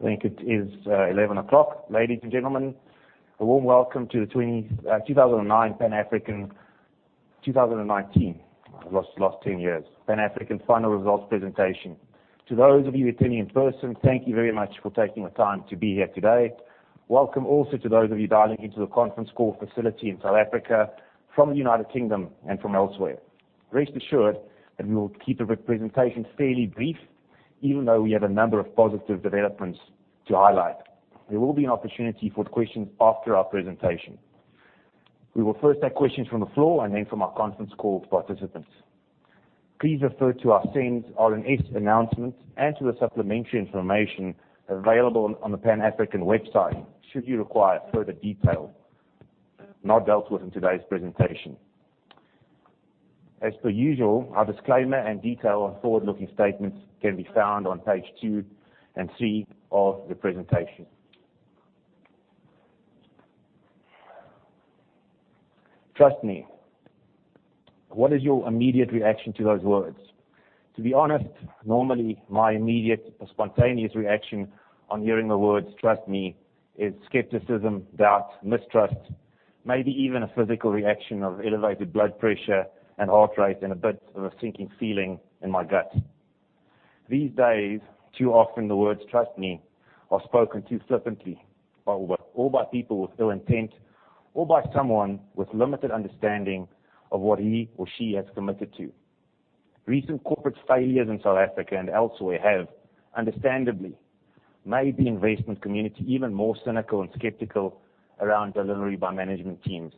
I think it is 11:00 A.M. Ladies and gentlemen, a warm welcome to the 2009 Pan African-- 2019. I've lost 10 years. Pan African final results presentation. To those of you attending in person, thank you very much for taking the time to be here today. Welcome also to those of you dialing into the conference call facility in South Africa, from the U.K., and from elsewhere. Rest assured that we will keep the presentation fairly brief, even though we have a number of positive developments to highlight. There will be an opportunity for questions after our presentation. We will first take questions from the floor and then from our conference call participants. Please refer to our SENS, RNS announcement and to the supplementary information available on the Pan African website should you require further detail not dealt with in today's presentation. As per usual, our disclaimer and detail on forward-looking statements can be found on page two and three of the presentation. "Trust me." What is your immediate reaction to those words? To be honest, normally, my immediate spontaneous reaction on hearing the words "Trust me" is skepticism, doubt, mistrust, maybe even a physical reaction of elevated blood pressure and heart rate, and a bit of a sinking feeling in my gut. These days, too often the words "Trust me" are spoken too flippantly or by people with ill intent, or by someone with limited understanding of what he or she has committed to. Recent corporate failures in South Africa and elsewhere have understandably made the investment community even more cynical and skeptical around delivery by management teams.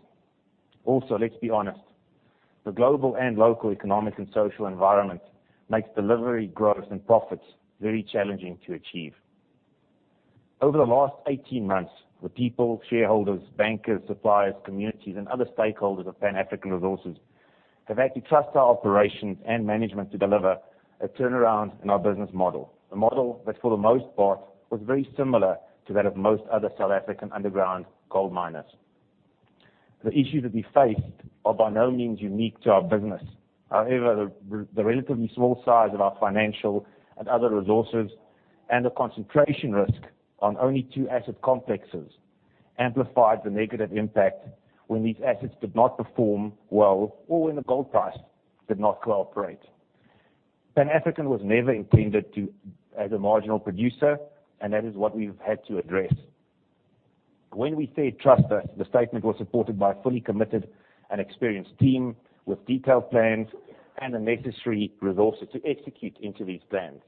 Let's be honest, the global and local economic and social environment makes delivery, growth, and profits very challenging to achieve. Over the last 18 months, the people, shareholders, bankers, suppliers, communities, and other stakeholders of Pan African Resources have had to trust our operations and management to deliver a turnaround in our business model, a model that for the most part was very similar to that of most other South African underground gold miners. The issues that we faced are by no means unique to our business. However, the relatively small size of our financial and other resources and the concentration risk on only two asset complexes amplified the negative impact when these assets did not perform well or when the gold price did not cooperate. Pan African was never intended as a marginal producer. That is what we've had to address. When we said, "Trust us," the statement was supported by a fully committed and experienced team with detailed plans and the necessary resources to execute these plans.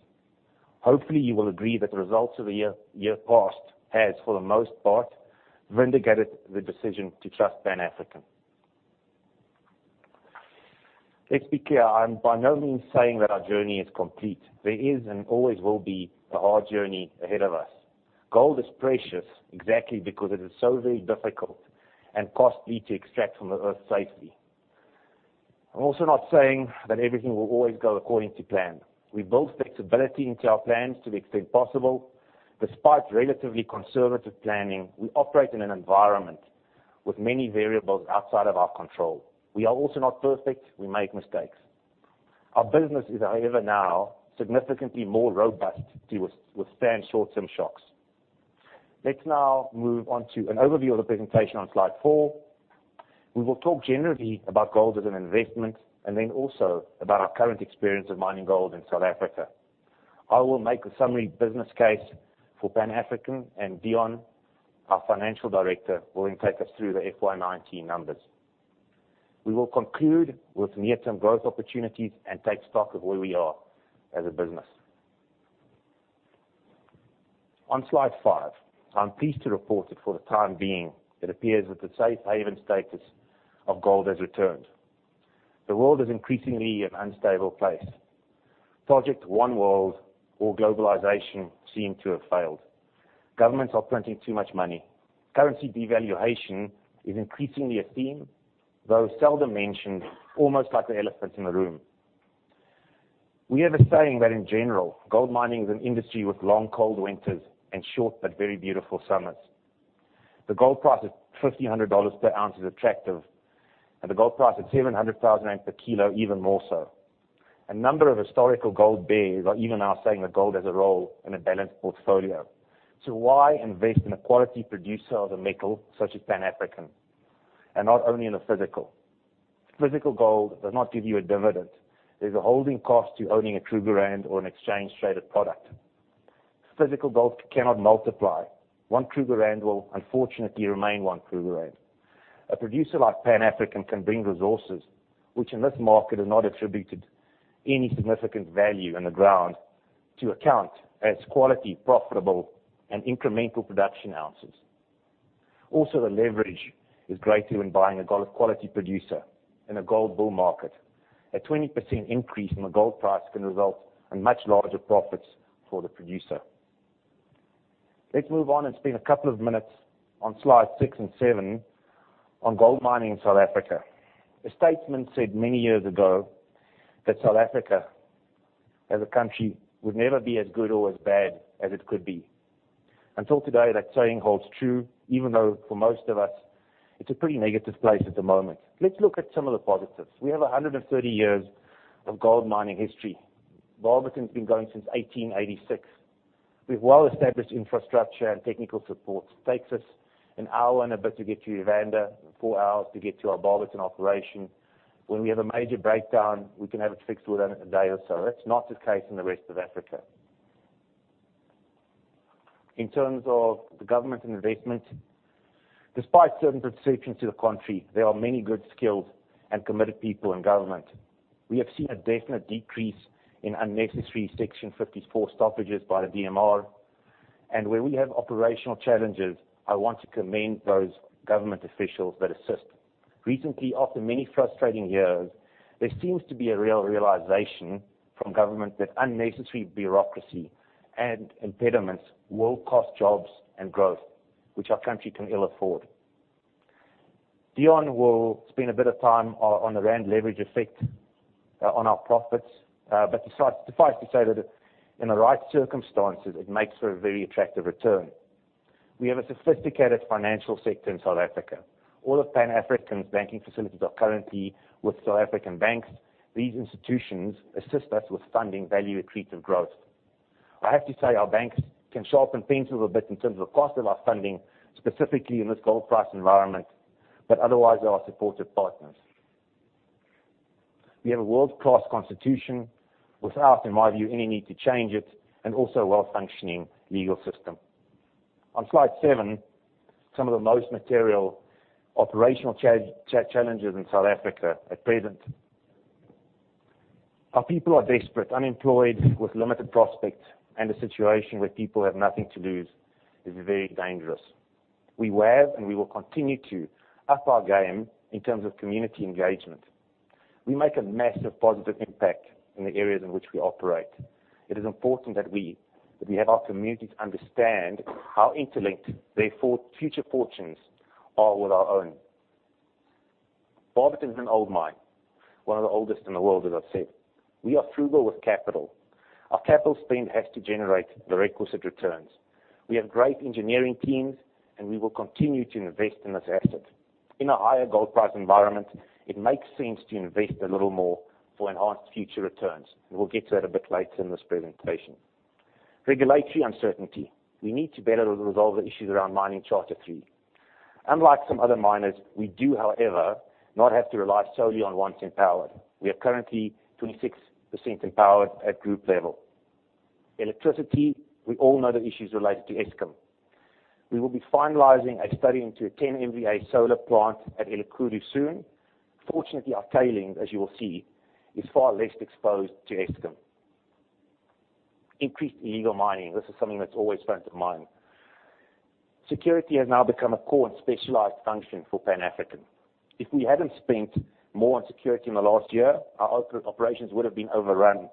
Hopefully, you will agree that the results of the year past have, for the most part, vindicated the decision to trust Pan African. Let's be clear, I'm by no means saying that our journey is complete. There is and always will be a hard journey ahead of us. Gold is precious exactly because it is so very difficult and costly to extract from the earth safely. I'm also not saying that everything will always go according to plan. We build flexibility into our plans to the extent possible. Despite relatively conservative planning, we operate in an environment with many variables outside of our control. We are also not perfect. We make mistakes. Our business is, however, now significantly more robust to withstand short-term shocks. Let's now move on to an overview of the presentation on slide four. We will talk generally about gold as an investment, and then also about our current experience of mining gold in South Africa. I will make a summary business case for Pan African and Deon, our Financial Director, will then take us through the FY 2019 numbers. We will conclude with near-term growth opportunities and take stock of where we are as a business. On slide five, I'm pleased to report that for the time being, it appears that the safe haven status of gold has returned. The world is increasingly an unstable place. Project One World or globalization seem to have failed. Governments are printing too much money. Currency devaluation is increasingly a theme, though seldom mentioned, almost like the elephant in the room. We have a saying that in general, gold mining is an industry with long, cold winters and short but very beautiful summers. The gold price of $1,500 per ounce is attractive, and the gold price at 700,000 rand per kilo even more so. Why invest in a quality producer of the metal such as Pan African and not only in a physical? Physical gold does not give you a dividend. There's a holding cost to owning a Krugerrand or an exchange-traded product. Physical gold cannot multiply. One Krugerrand will unfortunately remain one Krugerrand. A producer like Pan African can bring resources, which in this market are not attributed any significant value in the ground, to account as quality, profitable, and incremental production ounces. Also, the leverage is greater when buying a quality producer in a gold bull market. A 20% increase in the gold price can result in much larger profits for the producer. Let's move on and spend a couple of minutes on slides six and seven on gold mining in South Africa. A statesman said many years ago that South Africa as a country would never be as good or as bad as it could be. Until today, that saying holds true, even though for most of us, it's a pretty negative place at the moment. Let's look at some of the positives. We have 130 years of gold mining history. Barberton's been going since 1886. We've well established infrastructure and technical support. It takes us an hour and a bit to get to Evander and four hours to get to our Barberton operation. When we have a major breakdown, we can have it fixed within a day or so. That's not the case in the rest of Africa. In terms of the government and investment, despite certain perceptions to the country, there are many good skilled and committed people in government. We have seen a definite decrease in unnecessary Section 54 stoppages by the DMR. Where we have operational challenges, I want to commend those government officials that assist. Recently, after many frustrating years, there seems to be a real realization from government that unnecessary bureaucracy and impediments will cost jobs and growth, which our country can ill afford. Deon will spend a bit of time on the Rand leverage effect on our profits, but suffice to say that in the right circumstances, it makes for a very attractive return. We have a sophisticated financial sector in South Africa. All of Pan African Resources' banking facilities are currently with South African banks. These institutions assist us with funding value accretive growth. I have to say, our banks can sharpen pencils a bit in terms of cost of our funding, specifically in this gold price environment. Otherwise, they are supportive partners. We have a world-class constitution without, in my view, any need to change it. Also, a well-functioning legal system. On slide seven, some of the most material operational challenges in South Africa at present. Our people are desperate, unemployed, with limited prospects. A situation where people have nothing to lose is very dangerous. We have and we will continue to up our game in terms of community engagement. We make a massive positive impact in the areas in which we operate. It is important that we have our communities understand how interlinked their future fortunes are with our own. Barberton is an old mine, one of the oldest in the world, as I've said. We are frugal with capital. Our capital spend has to generate the requisite returns. We have great engineering teams, and we will continue to invest in this asset. In a higher gold price environment, it makes sense to invest a little more for enhanced future returns. We'll get to that a bit later in this presentation. Regulatory uncertainty. We need to better resolve the issues around Mining Charter III. Unlike some other miners, we do, however, not have to rely solely on 1% BEE. We are currently 26% empowered at group level. Electricity, we all know the issues related to Eskom. We will be finalizing a study into a 10 MVA solar plant at Elikhulu soon. Fortunately, our tailing, as you will see, is far less exposed to Eskom. Increased illegal mining. This is something that's always front of mind. Security has now become a core and specialized function for Pan African. If we hadn't spent more on security in the last year, our operations would have been overrun,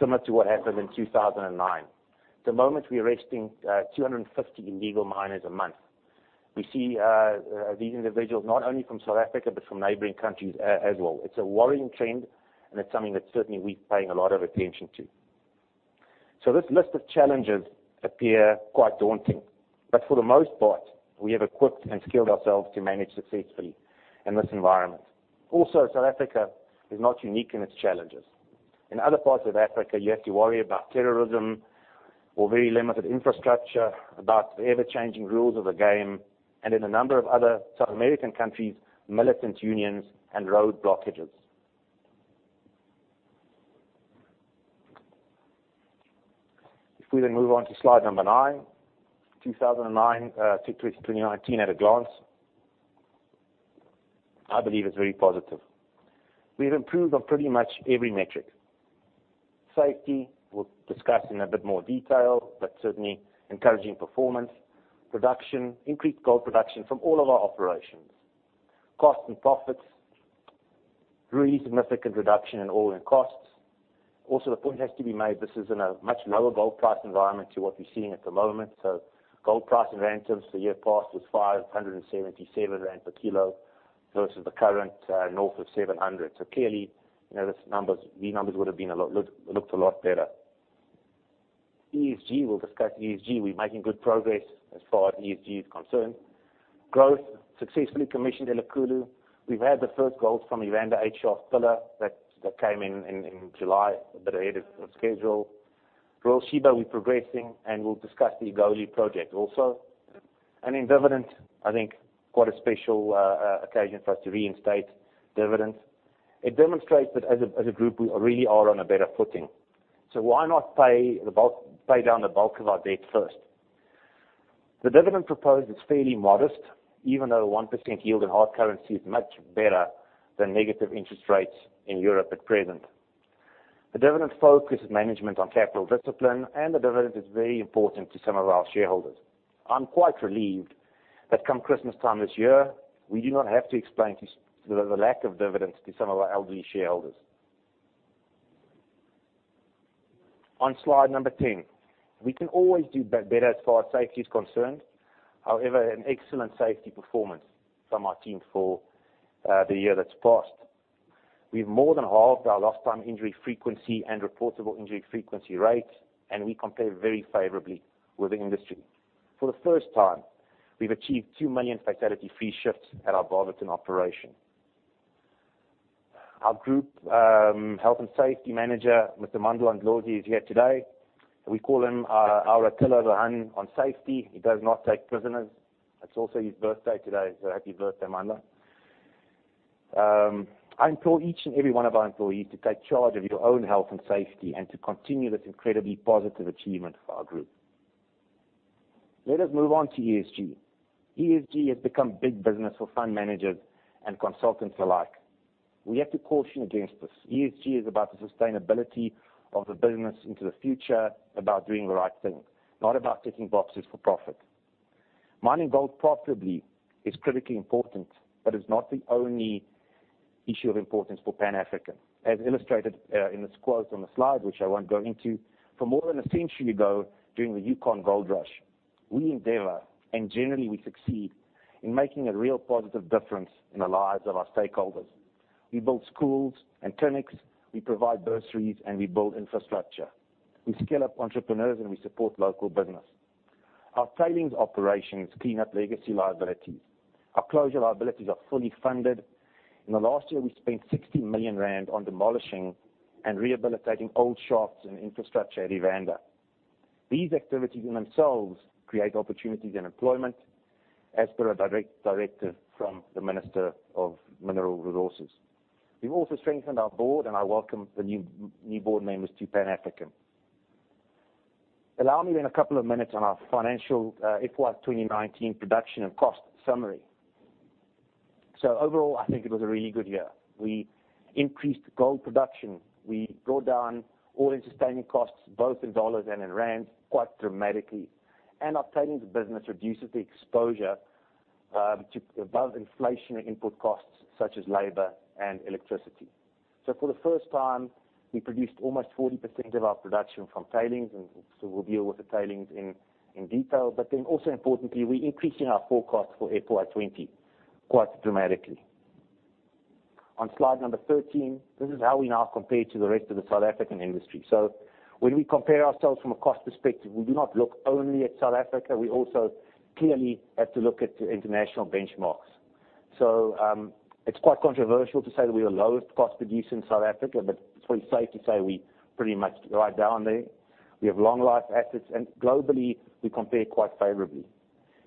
similar to what happened in 2009. At the moment, we're arresting 250 illegal miners a month. We see these individuals not only from South Africa, but from neighboring countries as well. It's a worrying trend, and it's something that certainly we're paying a lot of attention to. This list of challenges appear quite daunting, but for the most part, we have equipped and skilled ourselves to manage successfully in this environment. South Africa is not unique in its challenges. In other parts of Africa, you have to worry about terrorism or very limited infrastructure, about the ever-changing rules of the game, and in a number of other South American countries, militant unions and road blockages. We then move on to slide number nine, 2009 to 2019 at a glance. I believe it's very positive. We've improved on pretty much every metric. Safety, we'll discuss in a bit more detail, but certainly encouraging performance. Production, increased gold production from all of our operations. Cost and profits, really significant reduction in all-in costs. Also, the point has to be made, this is in a much lower gold price environment to what we're seeing at the moment. Gold price in ZAR the year past was 577,000 rand per kilo versus the current north of 700. Clearly, these numbers would have looked a lot better. ESG, we'll discuss ESG. We're making good progress as far as ESG is concerned. Growth, successfully commissioned Elikhulu. We've had the first gold from Evander 8 Shaft pillar that came in July, a bit ahead of schedule. Royal Sheba, we're progressing. We'll discuss the Egoli Project also. In dividend, I think quite a special occasion for us to reinstate dividend. It demonstrates that as a group, we really are on a better footing. Why not pay down the bulk of our debt first? The dividend proposed is fairly modest, even though a 1% yield in hard currency is much better than negative interest rates in Europe at present. The dividend focuses management on capital discipline. The dividend is very important to some of our shareholders. I'm quite relieved that come Christmas time this year, we do not have to explain the lack of dividends to some of our elderly shareholders. On slide number 10. We can always do better as far as safety is concerned. However, an excellent safety performance from our team for the year that's passed. We've more than halved our lost time injury frequency and reportable injury frequency rates, and we compare very favorably with the industry. For the first time, we've achieved 2 million fatality-free shifts at our Barberton operation. Our Group Health and Safety Manager, Mr. Mandla Ndlozi, is here today. We call him our Attila the Hun on safety. He does not take prisoners. It's also his birthday today, so happy birthday, Mandla. I implore each and every one of our employees to take charge of your own health and safety and to continue this incredibly positive achievement for our group. Let us move on to ESG. ESG has become big business for fund managers and consultants alike. We have to caution against this. ESG is about the sustainability of the business into the future, about doing the right thing, not about ticking boxes for profit. Mining gold profitably is critically important, but it's not the only issue of importance for Pan African. As illustrated in this quote on the slide, which I won't go into, for more than a century ago, during the Yukon Gold Rush, we endeavor, and generally we succeed, in making a real positive difference in the lives of our stakeholders. We build schools and clinics, we provide bursaries. We build infrastructure. We scale up entrepreneurs. We support local business. Our tailings operations clean up legacy liabilities. Our closure liabilities are fully funded. In the last year, we spent 60 million rand on demolishing and rehabilitating old shafts and infrastructure at Elands. These activities in themselves create opportunities and employment as per a directive from the Minister of Mineral Resources. We've also strengthened our board, and I welcome the new board members to Pan African. Allow me a couple of minutes on our financial FY 2019 production and cost summary. Overall, I think it was a really good year. We increased gold production. We brought down all-in sustaining costs, both in dollars and in rands, quite dramatically. Our tailings business reduces the exposure to above-inflation input costs, such as labor and electricity. For the first time, we produced almost 40% of our production from tailings, and so we'll deal with the tailings in detail. Importantly, we're increasing our forecast for FY 2020 quite dramatically. On slide number 13, this is how we now compare to the rest of the South African industry. When we compare ourselves from a cost perspective, we do not look only at South Africa. We also clearly have to look at international benchmarks. It's quite controversial to say that we are the lowest cost producer in South Africa, but it's probably safe to say we pretty much right down there. We have long life assets, and globally, we compare quite favorably.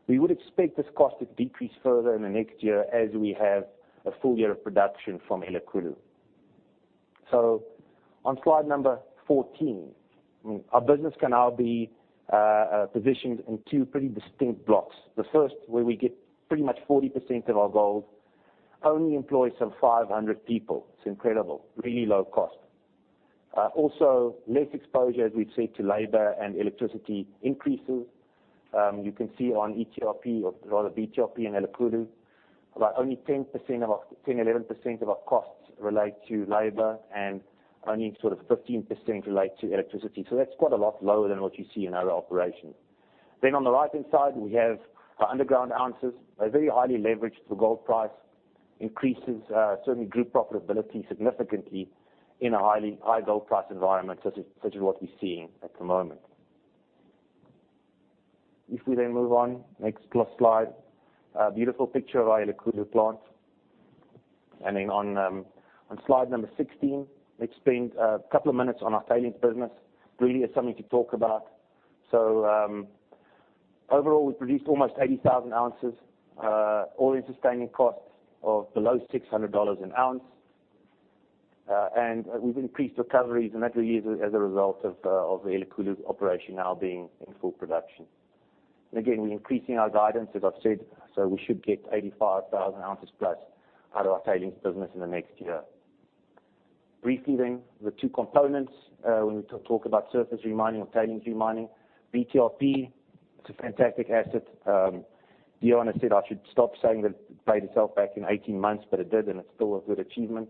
We would expect this cost to decrease further in the next year as we have a full year of production from Elikhulu. On slide number 14, our business can now be positioned in two pretty distinct blocks. The first, where we get pretty much 40% of our gold, only employs some 500 people. It's incredible. Really low cost. Also less exposure, as we've said, to labor and electricity increases. You can see on BTRP and Elikhulu, about only 10%, 11% of our costs relate to labor and only sort of 15% relate to electricity. That's quite a lot lower than what you see in our operations. On the right-hand side, we have our underground ounces, a very highly leveraged for gold price increases, certainly group profitability significantly in a high gold price environment such as what we're seeing at the moment. If we then move on, next slide. A beautiful picture of our Elikhulu plant. On slide number 16, let's spend a couple of minutes on our tailings business. Really is something to talk about. Overall, we produced almost 80,000 ounces, all-in sustaining costs of below $600 an ounce. We've increased recoveries, and that really is as a result of the Elikhulu operation now being in full production. Again, we're increasing our guidance, as I've said, so we should get 85,000 ounces plus out of our tailings business in the next year. Briefly, the two components, when we talk about surface re-mining or tailings re-mining. BTRP, it's a fantastic asset. Deon has said I should stop saying that it paid itself back in 18 months, but it did, and it's still a good achievement.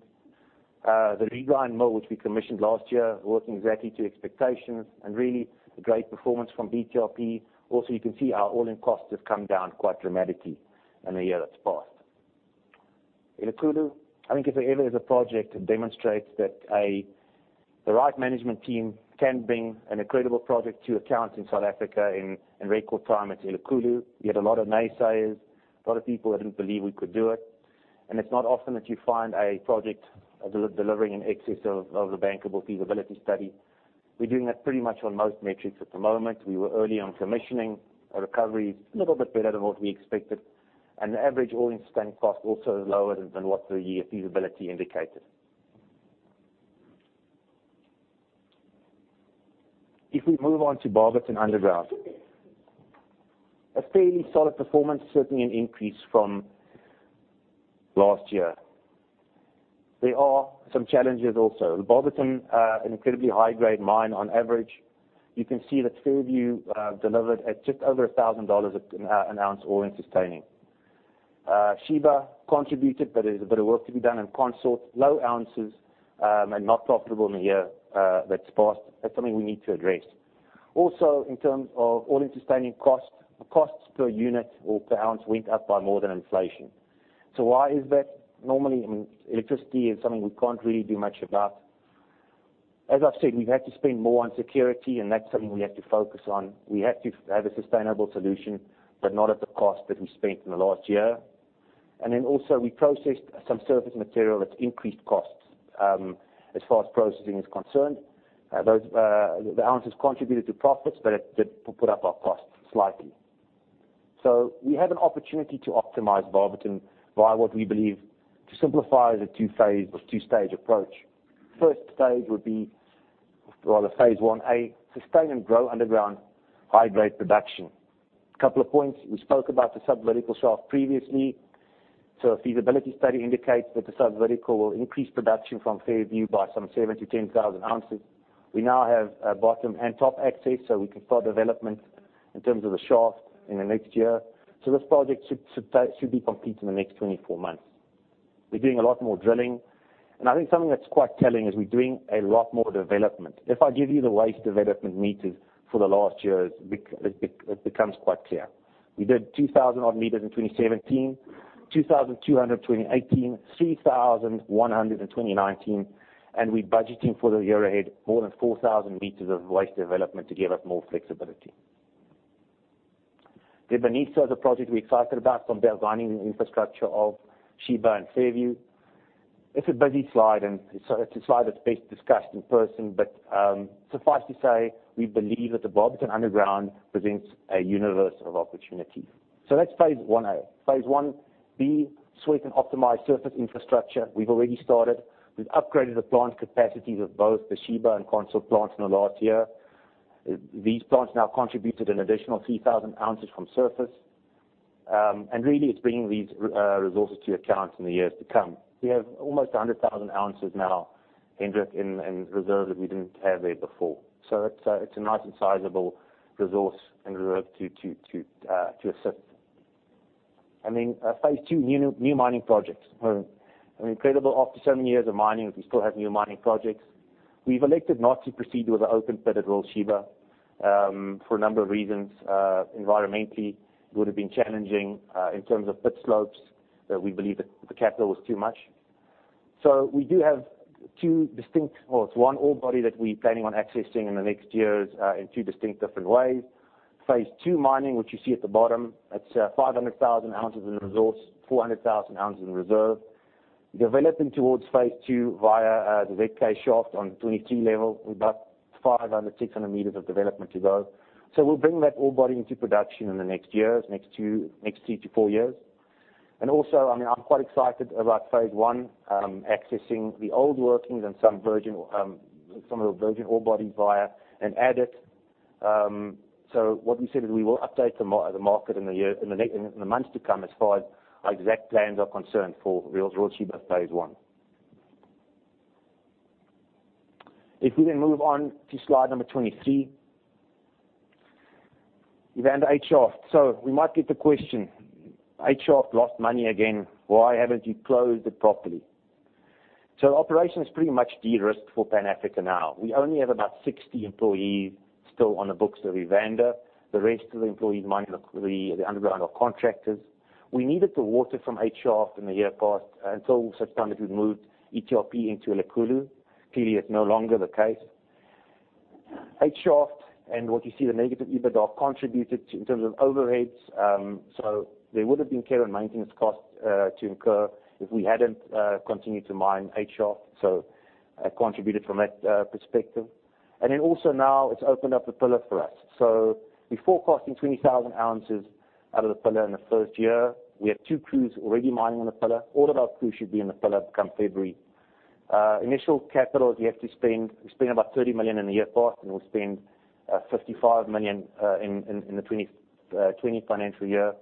The regrind mill, which we commissioned last year, working exactly to expectations and really a great performance from BTRP. You can see our all-in costs have come down quite dramatically in the year that's passed. Elikhulu, I think if there ever is a project that demonstrates that the right management team can bring an incredible project to account in South Africa in record time, it's Elikhulu. We had a lot of naysayers, a lot of people that didn't believe we could do it, and it's not often that you find a project delivering in excess of the bankable feasibility study. We're doing that pretty much on most metrics at the moment. We were early on commissioning. Recovery is a little bit better than what we expected, and the average all-in sustaining cost also is lower than what the year feasibility indicated. If we move on to Barberton underground, a fairly solid performance, certainly an increase from last year. There are some challenges also. Barberton, an incredibly high-grade mine on average. You can see that Fairview delivered at just over $1,000 an ounce all in sustaining. Sheba contributed, but there's a bit of work to be done in Consort. Low ounces, and not profitable in the year that's passed. That's something we need to address. In terms of all-in sustaining costs per unit or per ounce went up by more than inflation. Why is that? Normally, electricity is something we can't really do much about. As I've said, we've had to spend more on security, that's something we have to focus on. We have to have a sustainable solution, not at the cost that we spent in the last year. Also we processed some surface material that's increased costs as far as processing is concerned. The ounces contributed to profits, it did put up our costs slightly. We have an opportunity to optimize Barberton via what we believe, to simplify as a two-phase or two-stage approach. First stage would be, well, phase 1A, sustain and grow underground high-grade production. A couple of points. We spoke about the subvertical shaft previously. A feasibility study indicates that the subvertical will increase production from Fairview by some 7,000 to 10,000 ounces. We now have bottom and top access, so we can start development in terms of the shaft in the next year. This project should be complete in the next 24 months. We're doing a lot more drilling, and I think something that's quite telling is we're doing a lot more development. If I give you the waste development meters for the last years, it becomes quite clear. We did 2,000 odd meters in 2017, 2,200 in 2018, 3,100 in 2019, and we're budgeting for the year ahead more than 4,000 meters of waste development to give us more flexibility. The Dibanisa is a project we're excited about combining infrastructure of Sheba and Fairview. It's a busy slide, and so it's a slide that's best discussed in person. Suffice to say, we believe that the Barberton underground presents a universe of opportunity. That's phase 1A. Phase 1B, sweep and optimize surface infrastructure. We've already started. We've upgraded the plant capacities of both the Sheba and Consort plants in the last year. These plants now contributed an additional 3,000 ounces from surface. Really it's bringing these resources to account in the years to come. We have almost 100,000 ounces now, Hendrik, in reserve that we didn't have there before. It's a nice and sizable resource and reserve to assist. Phase two, new mining projects. I mean, incredible, after so many years of mining, we still have new mining projects. We've elected not to proceed with the open pit at Royal Sheba for a number of reasons. Environmentally, it would've been challenging. In terms of pit slopes, we believe that the capital was too much. We do have one ore body that we're planning on accessing in the next years in two distinct different ways. Phase two mining, which you see at the bottom, that's 500,000 ounces in resource, 400,000 ounces in reserve. Developing towards phase two via the Red Rose shaft on 23 level, with about 500, 600 meters of development to go. We'll bring that ore body into production in the next years, next two to four years. I'm quite excited about phase one, accessing the old workings and some of the virgin ore bodies via an adit. What we said is we will update the market in the months to come as far as our exact plans are concerned for Royal Sheba phase one. Move on to slide number 23. Evander 8 Shaft. We might get the question, 8 Shaft lost money again. Why haven't you closed it properly? Operation is pretty much de-risked for Pan African now. We only have about 60 employees still on the books of Evander. The rest of the employees mining the underground are contractors. We needed the water from 8 Shaft in the year past until such time that we moved ETRP into Elikhulu. Clearly, it's no longer the case. 8 Shaft and what you see, the negative EBITDA contributed to in terms of overheads. There would've been care and maintenance costs to incur if we hadn't continued to mine 8 Shaft. That contributed from that perspective. Also now it's opened up the pillar for us. We're forecasting 20,000 ounces out of the pillar in the first year. We have two crews already mining on the Pillar. All of our crews should be in the Pillar come February. Initial capital is you have to spend about 30 million in the year past, and we'll spend 55 million in the 2020 financial year.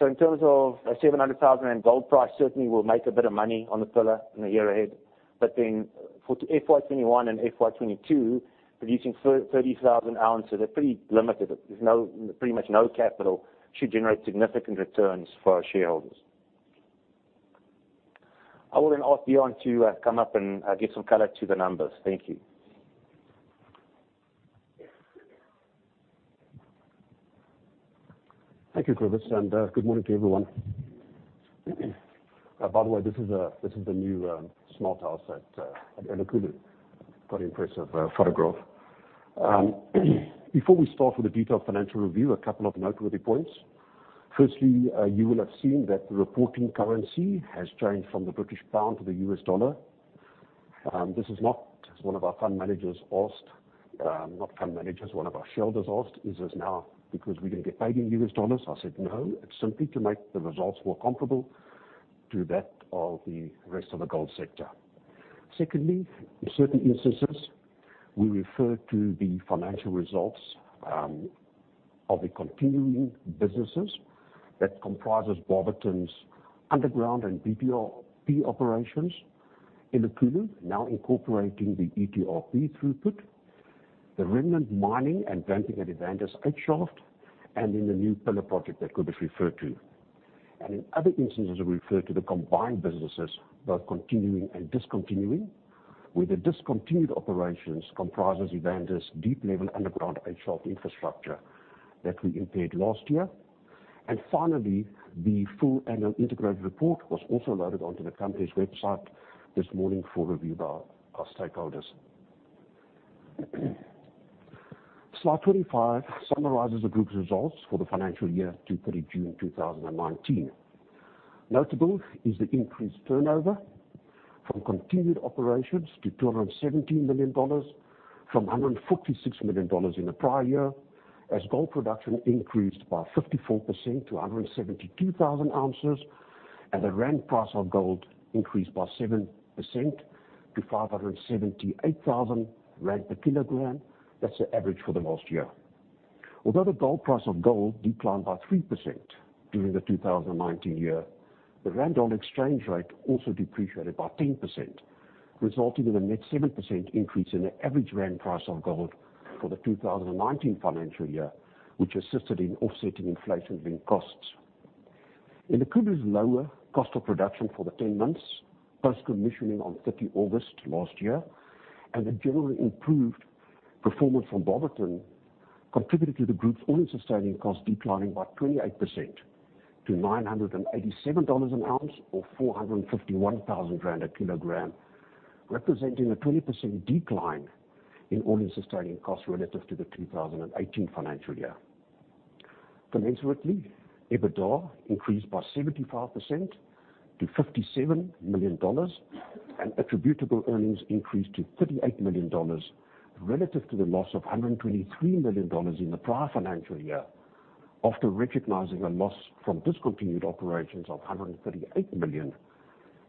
In terms of a 700,000 in gold price, certainly we'll make a bit of money on the Pillar in the year ahead. For FY 2021 and FY 2022, producing 30,000 ounces are pretty limited. There's pretty much no capital, should generate significant returns for our shareholders. I will ask Deon to come up and give some color to the numbers. Thank you. Thank you, Cobus, good morning to everyone. By the way, this is the new smart house at Elikhulu. Quite impressive photograph. Before we start with the detailed financial review, a couple of noteworthy points. Firstly, you will have seen that the reporting currency has changed from the British pound to the US dollar. This is not as one of our shareholders asked, "Is this now because we're going to get paid in US dollars?" I said, "No. It's simply to make the results more comparable to that of the rest of the gold sector. In certain instances, we refer to the financial results of the continuing businesses that comprises Barberton's underground and BTRP operations, Elikhulu, now incorporating the ETRP throughput, the remnant mining and venting at Evander's 8 Shaft, and in the new pillar project that Cobus referred to. In other instances, we refer to the combined businesses, both continuing and discontinuing, with the discontinued operations comprises Evander's deep level underground 8 Shaft infrastructure that we impaired last year. Finally, the full annual integrated report was also loaded onto the company's website this morning for review by our stakeholders. Slide 25 summarizes the group's results for the financial year to 30 June 2019. Notable is the increased turnover from continued operations to $217 million from $146 million in the prior year, as gold production increased by 54% to 172,000 ounces, and the ZAR price of gold increased by 7% to 578,000 rand per kilogram. That's the average for the last year. Although the gold price of gold declined by 3% during the 2019 year, the ZAR on exchange rate also depreciated by 10%, resulting in a net 7% increase in the average ZAR price of gold for the 2019 financial year, which assisted in offsetting inflation in costs. The lower cost of production for the 10 months post commissioning on 30 August last year, and the generally improved performance from Barberton contributed to the group's all-in sustaining costs declining by 28% to $987 an ounce or 451,000 rand a kilogram, representing a 20% decline in all-in sustaining costs relative to the 2018 financial year. Concomitantly, EBITDA increased by 75% to $57 million and attributable earnings increased to $38 million relative to the loss of $123 million in the prior financial year, after recognizing a loss from discontinued operations of $138 million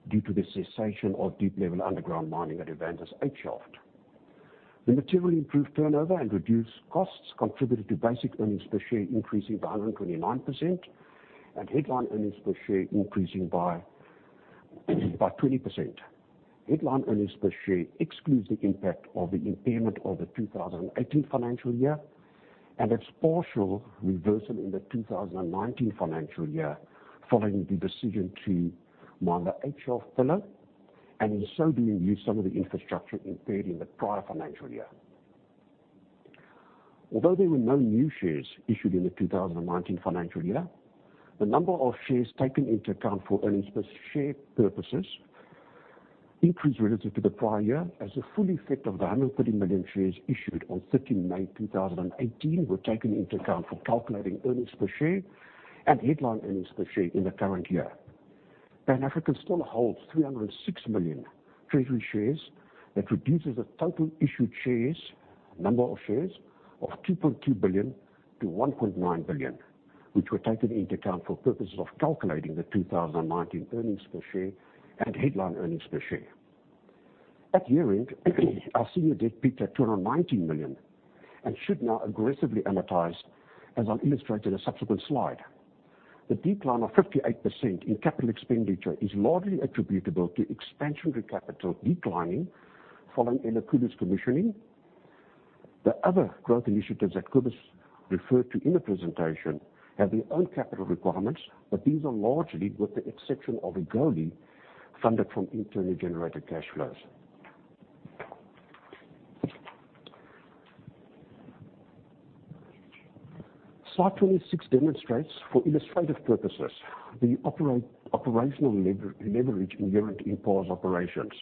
due to the cessation of deep level underground mining at Evander 8 Shaft. The materially improved turnover and reduced costs contributed to basic earnings per share increasing by 129% and headline earnings per share increasing by 20%. Headline earnings per share excludes the impact of the impairment of the 2018 financial year and its partial reversal in the 2019 financial year, following the decision to mine the 8 Shaft Pillar, and in so doing, use some of the infrastructure impaired in the prior financial year. Although there were no new shares issued in the 2019 financial year, the number of shares taken into account for earnings per share purposes increased relative to the prior year as a full effect of the 130 million shares issued on 13 May 2018 were taken into account for calculating earnings per share and headline earnings per share in the current year. Pan African still holds 306 million treasury shares that reduces the total issued shares, number of shares of 2.2 billion to 1.9 billion, which were taken into account for purposes of calculating the 2019 earnings per share and headline earnings per share. At year-end, our senior debt peaked at 219 million and should now aggressively amortize as I'll illustrate in a subsequent slide. The decline of 58% in capital expenditure is largely attributable to expansionary capital declining following Elikhulu's commissioning. The other growth initiatives that Cobus refer to in the presentation have their own capital requirements, but these are largely with the exception of Egoli, funded from internally generated cash flows. Slide 26 demonstrates, for illustrative purposes, the operational leverage inherent in PA's operations.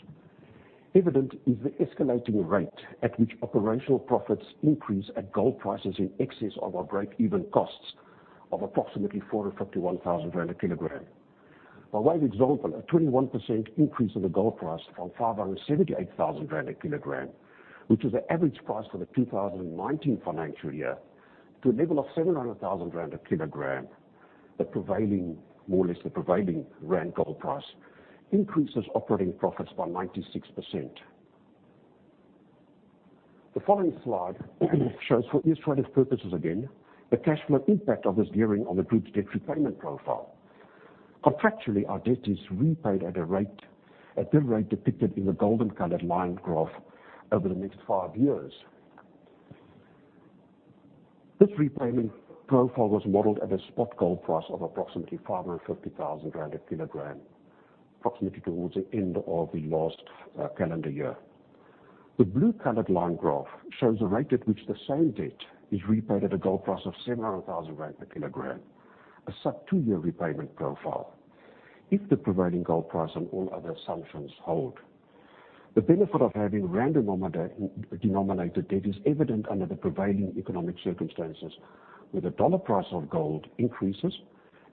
Evident is the escalating rate at which operational profits increase at gold prices in excess of our break-even costs of approximately 451,000 rand a kilogram. By way of example, a 21% increase in the gold price from 578,000 rand a kilogram, which is the average price for the 2019 financial year, to a level of 700,000 rand a kilogram. The more or less the prevailing ZAR gold price increases operating profits by 96%. The following slide shows, for illustrative purposes again, the cash flow impact of this gearing on the group's debt repayment profile. Contractually, our debt is repaid at the rate depicted in the golden colored line graph over the next five years. This repayment profile was modeled at a spot gold price of approximately 550,000 rand a kilogram, approximately towards the end of the last calendar year. The blue colored line graph shows the rate at which the same debt is repaid at a gold price of 700,000 rand per kilogram. A sub two-year repayment profile. If the prevailing gold price on all other assumptions hold. The benefit of having rand-denominated debt is evident under the prevailing economic circumstances, where the dollar price of gold increases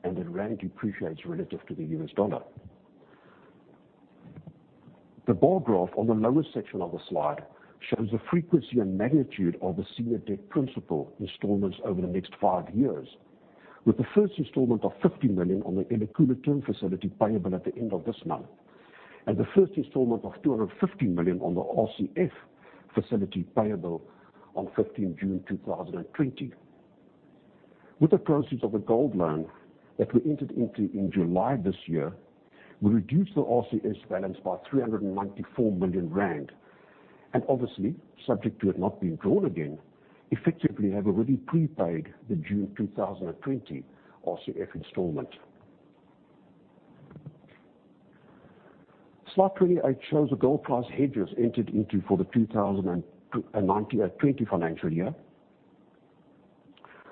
and the rand depreciates relative to the US dollar. The bar graph on the lower section of the slide shows the frequency and magnitude of the senior debt principal installments over the next five years with the first installment of 50 million on the Elikhulu term facility payable at the end of this month, and the first installment of 250 million on the RCF facility payable on 15 June 2020. With the proceeds of the gold loan that we entered into in July this year, we reduced the RCF balance by 394 million rand. Obviously, subject to it not being drawn again, effectively have already prepaid the June 2020 RCF installment. Slide 28 shows the gold price hedges entered into for the 2019 and 2020 financial year.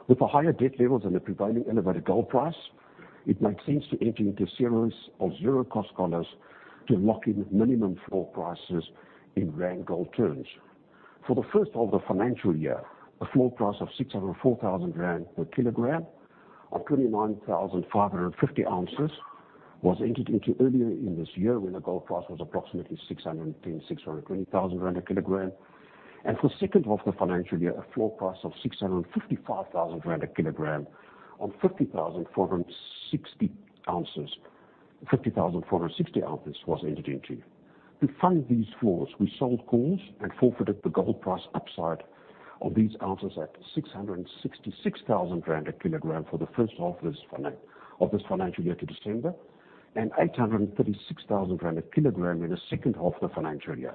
With the higher debt levels and the prevailing elevated gold price, it made sense to enter into a series of zero cost collars to lock in minimum floor prices in ZAR gold terms. For the first half of the financial year, a floor price of 604,000 rand per kilogram on 29,550 ounces was entered into earlier in this year when the gold price was approximately 610,000, 620,000 rand a kilogram. For the second half of the financial year, a floor price of 655,000 rand a kilogram on 50,460 ounces was entered into. To fund these floors, we sold calls and forfeited the gold price upside on these ounces at 666,000 rand a kilogram for the first half of this financial year to December, and 836,000 rand a kilogram in the second half of the financial year.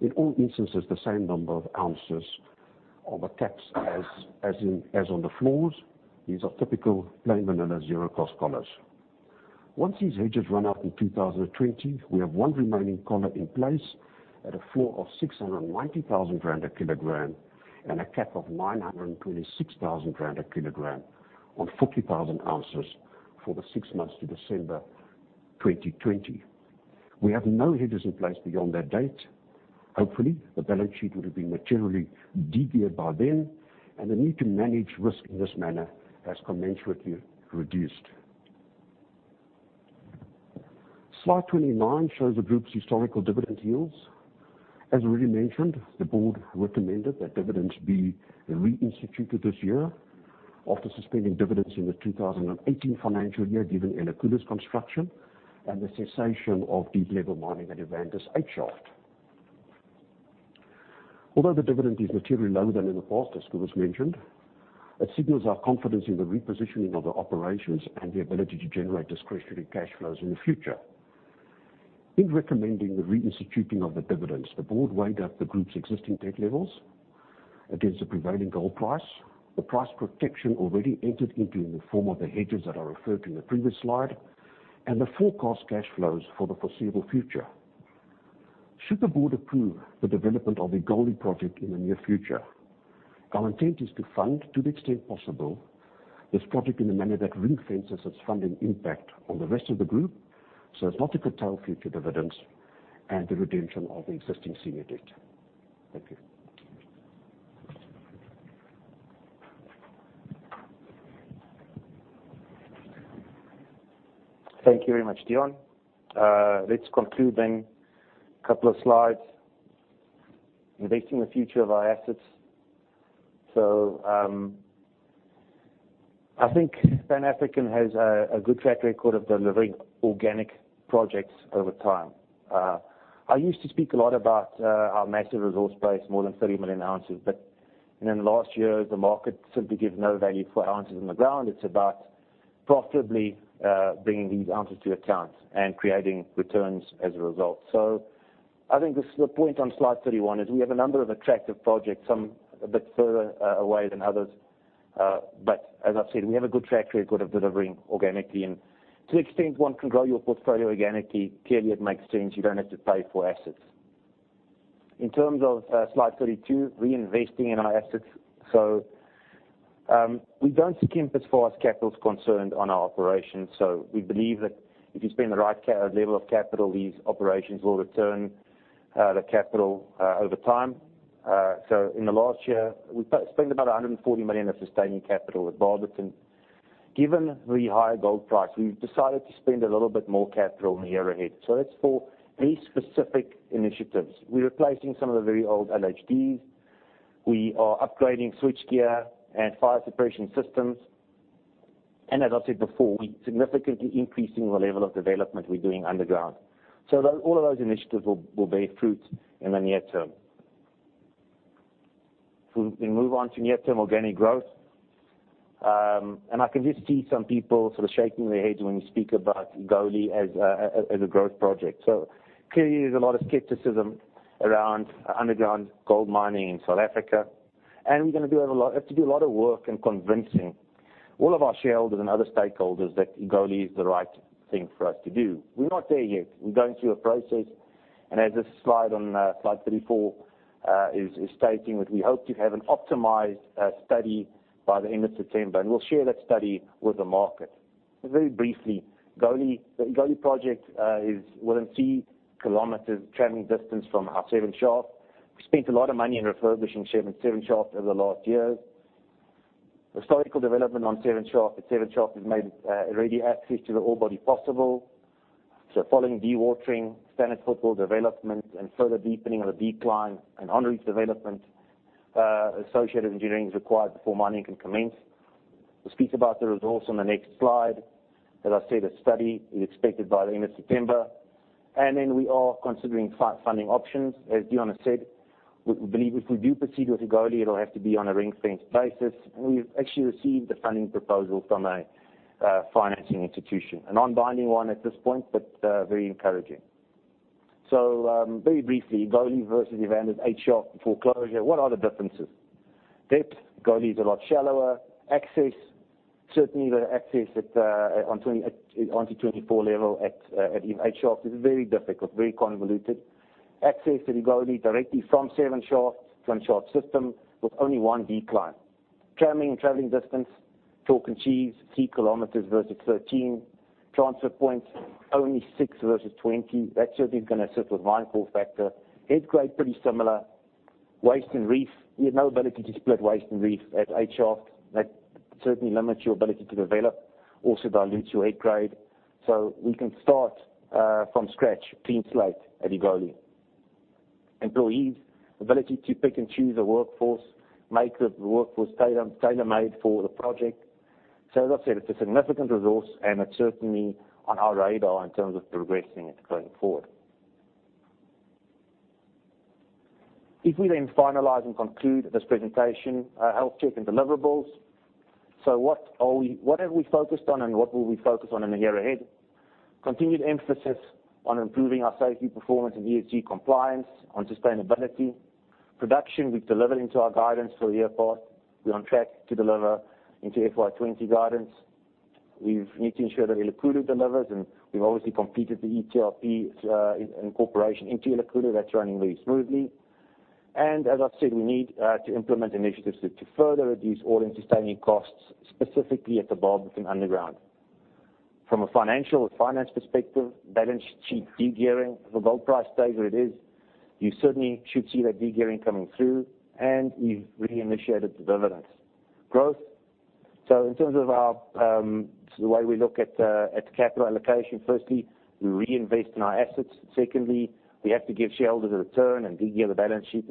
In all instances, the same number of ounces on the caps as on the floors. These are typical plain vanilla zero cost collars. Once these hedges run out in 2020, we have one remaining collar in place at a floor of 690,000 rand a kilogram and a cap of 926,000 rand a kilogram on 40,000 ounces for the six months to December 2020. We have no hedges in place beyond that date. Hopefully, the balance sheet would have been materially de-geared by then, and the need to manage risk in this manner has commensurately reduced. Slide 29 shows the group's historical dividend yields. As already mentioned, the board recommended that dividends be reinstituted this year after suspending dividends in the 2018 financial year, given Elikhulu construction and the cessation of deep-level mining at Evander 8 Shaft. Although the dividend is materially lower than in the past, as Cobus mentioned, it signals our confidence in the repositioning of the operations and the ability to generate discretionary cash flows in the future. In recommending the reinstituting of the dividends, the board weighed up the group's existing debt levels against the prevailing gold price, the price protection already entered into in the form of the hedges that are referred to in the previous slide, and the forecast cash flows for the foreseeable future. Should the board approve the development of the Egoli Project in the near future, our intent is to fund, to the extent possible, this project in a manner that ring-fences its funding impact on the rest of the group, so as not to curtail future dividends and the redemption of existing senior debt. Thank you. Thank you very much, Deon. Let's conclude then. Couple of slides. Investing in the future of our assets. I think Pan African has a good track record of delivering organic projects over time. I used to speak a lot about our massive resource base, more than 30 million ounces. In the last year, the market simply gives no value for ounces in the ground. It's about profitably bringing these ounces to account and creating returns as a result. I think the point on slide 31 is we have a number of attractive projects, some a bit further away than others. As I've said, we have a good track record of delivering organically. To the extent one can grow your portfolio organically, clearly it makes sense. You don't have to pay for assets. In terms of slide 32, reinvesting in our assets. We don't skimp as far as capital is concerned on our operations. We believe that if you spend the right level of capital, these operations will return the capital over time. In the last year, we spent about 140 million of sustaining capital at Barberton. Given the higher gold price, we've decided to spend a little bit more capital in the year ahead. That's for three specific initiatives. We're replacing some of the very old LHDs. We are upgrading switchgear and fire suppression systems. As I said before, we significantly increasing the level of development we're doing underground. All of those initiatives will bear fruit in the near term. If we move on to near-term organic growth. I can just see some people sort of shaking their heads when we speak about Egoli as a growth project. Clearly, there's a lot of skepticism around underground gold mining in South Africa, and we have to do a lot of work in convincing all of our shareholders and other stakeholders that Egoli is the right thing for us to do. We're not there yet. We're going through a process, and as this slide on slide 34 is stating, that we hope to have an optimized study by the end of September, and we'll share that study with the market. Very briefly, the Egoli Project is within three kilometers traveling distance from our Shaft 7. We spent a lot of money in refurbishing Shaft 7 over the last years. Historical development on Shaft 7, that Shaft 7 has made ready access to the orebody possible. Following dewatering, standard footfall development, and further deepening of the decline and on-reach development, associated engineering is required before mining can commence. We'll speak about the results on the next slide. As I said, a study is expected by the end of September. Then we are considering funding options. As Deon said, we believe if we do proceed with Egoli, it'll have to be on a ring-fence basis. We've actually received a funding proposal from a financing institution, a non-binding one at this point, but very encouraging. Very briefly, Egoli versus Evander 8 Shaft before closure, what are the differences? Depth, Egoli is a lot shallower. Access, certainly the access at onto 24 level at Evander 8 Shaft is very difficult, very convoluted. Access at Egoli directly from 7 Shaft, from shaft system with only one decline. Tramming and traveling distance, talk in cheese, 3 kilometers versus 13. Transfer points, only 6 versus 20. That certainly is going to assist with mine pool factor. Head grade, pretty similar. Waste and reef, you have no ability to split waste and reef at 8 Shaft. That certainly limits your ability to develop, also dilutes your head grade. We can start from scratch, clean slate at Egoli. Employees, ability to pick and choose a workforce, make the workforce tailor-made for the project. As I've said, it's a significant resource and it's certainly on our radar in terms of progressing it going forward. If we finalize and conclude this presentation, a health check and deliverables. What have we focused on and what will we focus on in the year ahead? Continued emphasis on improving our safety performance and ESG compliance on sustainability. Production, we've delivered into our guidance for the year past. We're on track to deliver into FY 2020 guidance. We need to ensure that Elikhulu delivers, and we've obviously completed the ETRP incorporation into Elikhulu. That's running very smoothly. As I've said, we need to implement initiatives to further reduce all-in sustaining costs, specifically at the Barberton underground. From a financial or finance perspective, balance sheet de-gearing. If the gold price stays where it is, you certainly should see that de-gearing coming through, and we've reinitiated the dividends. Growth. In terms of the way we look at capital allocation, firstly, we reinvest in our assets. Secondly, we have to give shareholders a return and de-gear the balance sheet.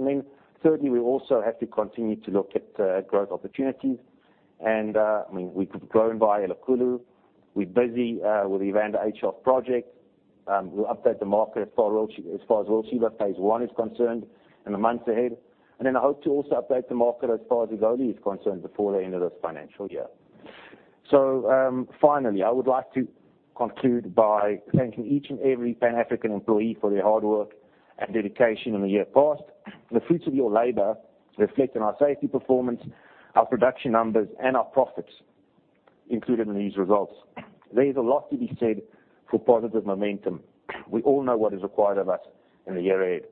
Thirdly, we also have to continue to look at growth opportunities. I mean, we've grown via Elikhulu. We're busy with Evander 8 Shaft project. We'll update the market as far as Royal Sheba phase one is concerned in the months ahead. I hope to also update the market as far as Egoli is concerned before the end of this financial year. Finally, I would like to conclude by thanking each and every Pan African employee for their hard work and dedication in the year past. The fruits of your labor reflect in our safety performance, our production numbers, and our profits included in these results. There is a lot to be said for positive momentum. We all know what is required of us in the year ahead.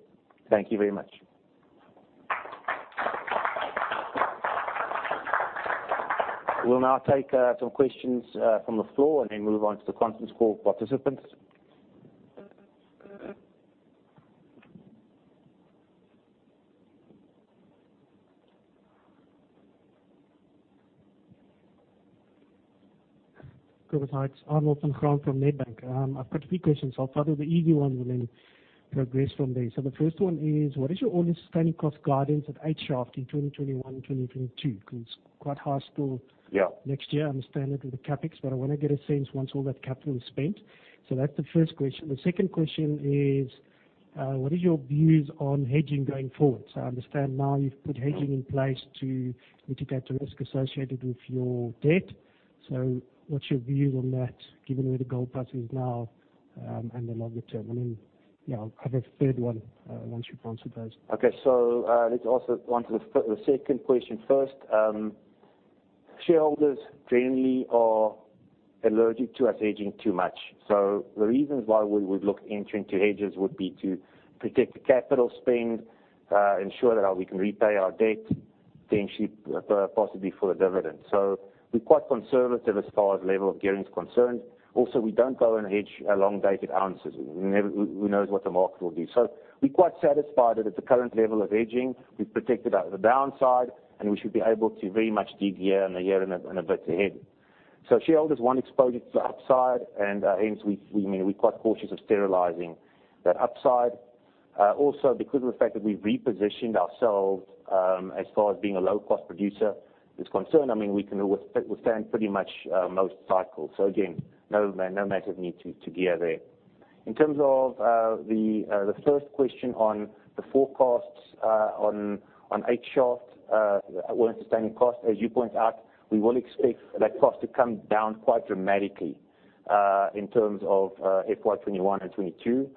Thank you very much. We will now take some questions from the floor and then move on to the conference call participants. Good day. Arnold van Graan from Nedbank. I've got a few questions. I'll start with the easy one and then progress from there. The first one is, what is your all-in sustaining cost guidance at 8 Shaft in 2021, 2022? It's quite high still. Yeah next year, I understand it with the CapEx, but I want to get a sense once all that capital is spent. That's the first question. The second question is, what is your views on hedging going forward? I understand now you've put hedging in place to mitigate the risk associated with your debt. What's your view on that given where the gold price is now, and the longer term? Yeah, I have a third one, once you've answered those. Okay. Let's answer the second question first. Shareholders generally are allergic to us hedging too much. The reasons why we would look entering to hedges would be to protect the capital spend, ensure that we can repay our debt, potentially, possibly for a dividend. We're quite conservative as far as level of gearing is concerned. Also, we don't go and hedge along dated ounces. Who knows what the market will do. We're quite satisfied that at the current level of hedging, we've protected the downside, and we should be able to very much de-gear in a year and a bit ahead. Shareholders want exposure to the upside, and hence we're quite cautious of sterilizing that upside. Also because of the fact that we've repositioned ourselves, as far as being a low-cost producer is concerned, I mean, we can withstand pretty much most cycles. Again, no massive need to gear there. In terms of the first question on the forecasts on 8 Shaft, our sustaining cost, as you point out, we will expect that cost to come down quite dramatically, in terms of FY 2021 and 2022.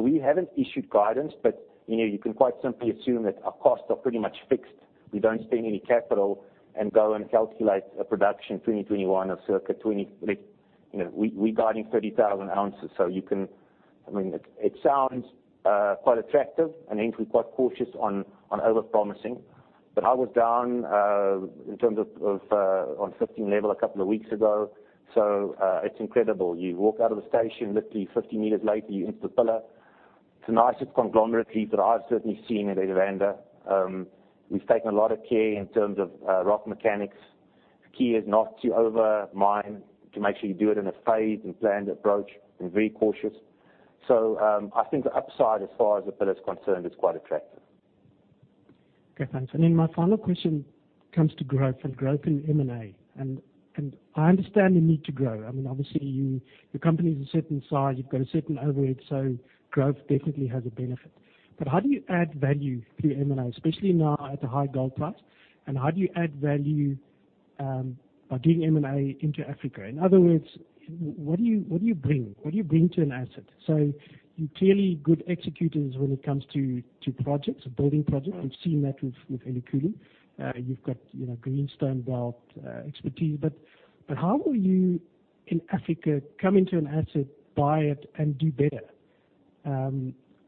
We haven't issued guidance, but you can quite simply assume that our costs are pretty much fixed. We don't spend any capital and go and calculate a production 2021 of circa 20. We're guiding 30,000 ounces. It sounds quite attractive and hence we're quite cautious on over-promising. I was down on 15 level a couple of weeks ago, it's incredible. You walk out of the station, literally 15 meters later, you're into the pillar. It's the nicest conglomerate reef that I've certainly seen at Evander. We've taken a lot of care in terms of rock mechanics. The key is not to over-mine, to make sure you do it in a phased and planned approach, and very cautious. I think the upside as far as the pillar is concerned is quite attractive. Okay, thanks. My final question comes to growth and growth in M&A. I understand the need to grow. I mean, obviously, your company's a certain size, you've got a certain overhead, so growth definitely has a benefit. How do you add value through M&A, especially now at a high gold price? How do you add value by doing M&A into Africa? In other words, what do you bring to an asset? You're clearly good executors when it comes to projects, building projects. We've seen that with Elikhulu. You've got greenstone belt expertise. How will you, in Africa, come into an asset, buy it and do better?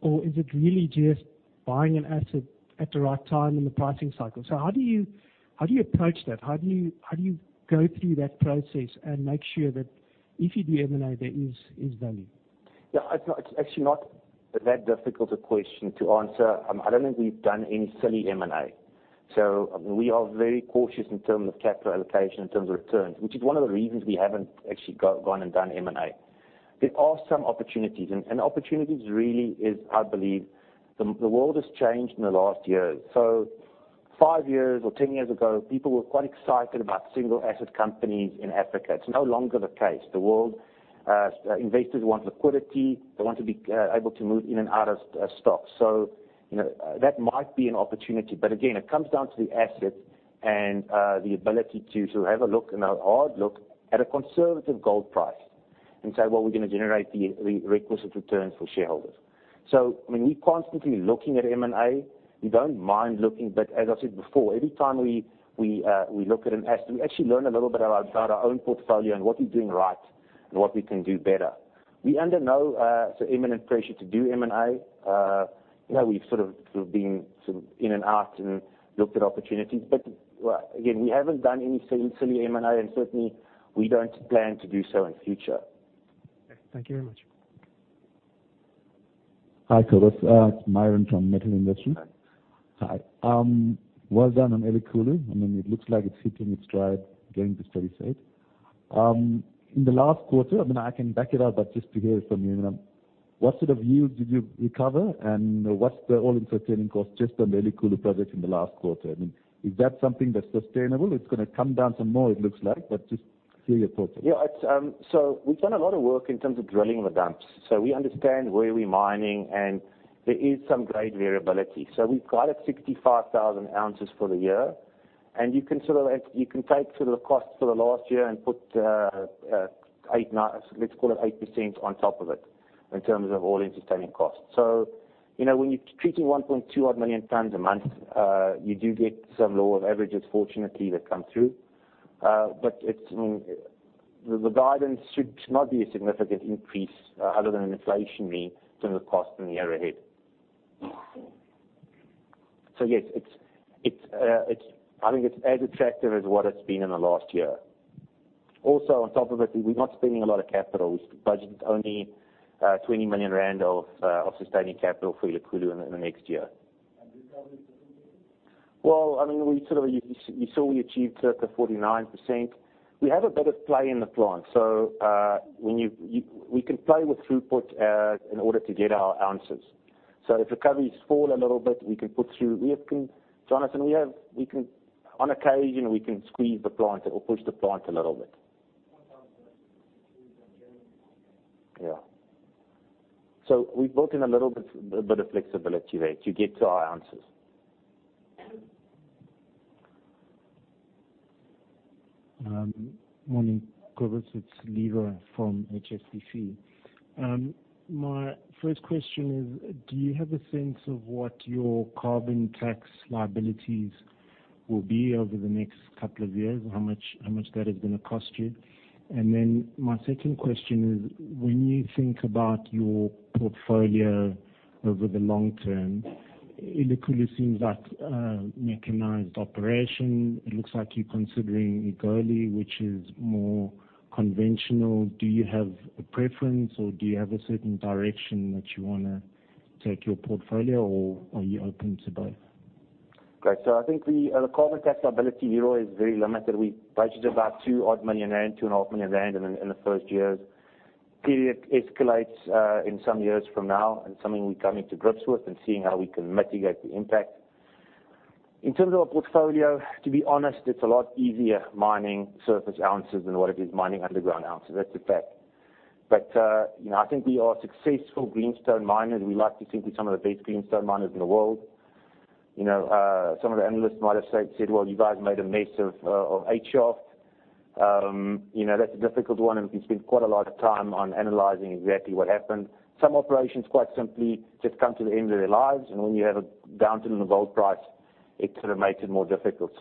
Is it really just buying an asset at the right time in the pricing cycle? How do you approach that? How do you go through that process and make sure that if you do M&A, there is value? Yeah. It's actually not that difficult a question to answer. I don't think we've done any silly M&A. We are very cautious in terms of capital allocation, in terms of returns, which is one of the reasons we haven't actually gone and done M&A. There are some opportunities, and opportunities really is, I believe, the world has changed in the last year. Five years or 10 years ago, people were quite excited about single asset companies in Africa. It's no longer the case. The world investors want liquidity. They want to be able to move in and out of stocks. That might be an opportunity. Again, it comes down to the asset and the ability to have a look and a hard look at a conservative gold price and say, "Well, we're going to generate the requisite returns for shareholders." I mean, we're constantly looking at M&A. We don't mind looking, but as I said before, every time we look at an asset, we actually learn a little bit about our own portfolio and what we're doing right and what we can do better. We're under no imminent pressure to do M&A. We've sort of been in and out and looked at opportunities. Again, we haven't done any silly M&A, and certainly, we don't plan to do so in future. Okay. Thank you very much. Hi, Cobus. It's Myron from Metal Investment. Hi. Hi. Well done on Elikhulu. I mean, it looks like it's hitting its stride, getting to steady state. In the last quarter, I mean, I can back it up, but just to hear it from you, what sort of yields did you recover, and what's the all-in sustaining cost just on the Elikhulu project in the last quarter? I mean, is that something that's sustainable? It's gonna come down some more, it looks like, but just hear your thoughts on that. Yeah. We've done a lot of work in terms of drilling the dumps. We understand where we're mining, and there is some grade variability. We've guided 65,000 ounces for the year. You can take sort of the cost for the last year and put, let's call it 8% on top of it in terms of all-in sustaining costs. When you're treating 1.2 odd million tons a month, you do get some law of averages, fortunately, that come through. The guidance should not be a significant increase other than an inflation mean from the cost in the year ahead. Yes, I think it's as attractive as what it's been in the last year. Also, on top of it, we're not spending a lot of capital. We've budgeted only 20 million rand of sustaining capital for Elikhulu in the next year. Recovery percentage? Well, I mean, you saw we achieved 49%. We have a bit of play in the plant. We can play with throughput, in order to get our ounces. If recoveries fall a little bit, Jonathan, on occasion, we can squeeze the plant or push the plant a little bit. 1,000 tons. Yeah. We've built in a little bit of flexibility there to get to our ounces. Morning, Cobus. It's Leva from HSBC. My first question is, do you have a sense of what your Carbon Tax liabilities will be over the next couple of years? How much that is going to cost you? My second question is, when you think about your portfolio over the long term, Elikhulu seems like a mechanized operation. It looks like you're considering Egoli, which is more conventional. Do you have a preference, or do you have a certain direction that you want to take your portfolio or are you open to both? I think the Carbon Tax liability here is very limited. We budgeted about two odd million ZAR, two and a half million ZAR in the first years. Clearly, it escalates in some years from now, and something we're coming to grips with and seeing how we can mitigate the impact. In terms of our portfolio, to be honest, it's a lot easier mining surface ounces than what it is mining underground ounces. That's a fact. I think we are successful greenstone miners. We like to think we're some of the best greenstone miners in the world. Some of the analysts might have said, "Well, you guys made a mess of 8 Shaft." That's a difficult one, and we've spent quite a lot of time on analyzing exactly what happened. Some operations quite simply just come to the end of their lives, and when you have a downturn in the gold price, it sort of makes it more difficult.